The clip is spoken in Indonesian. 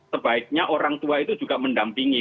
sebaiknya orang tua itu juga mendampingi